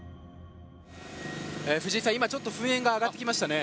藤井さん、今、ちょっと噴煙が上がってきましたね。